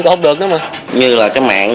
cũng không được nữa mà như là cái mạng